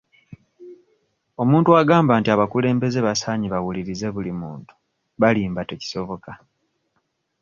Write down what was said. Omuntu agamba nti abakulembeze basaanye bawulirize buli muntu balimba tekisoboka.